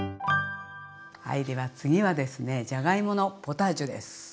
はいでは次はですねじゃがいものポタージュです。